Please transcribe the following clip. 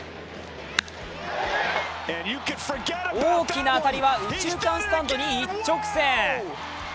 大きな当たりは、右中間スタンドに一直線。